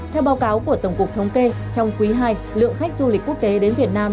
theo báo cáo của tổng cục thống kê trong quý ii lượng khách du lịch quốc tế đến việt nam